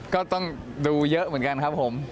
ก็ต้องดูเยอะเหมือนกันครับผม